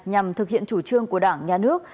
nhằm thực hiện chủ trương của đảng nhà nước